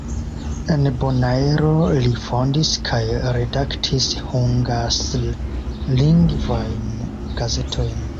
En Bonaero li fondis kaj redaktis hungasrlingvajn gazetojn.